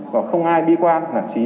và không ai bi quan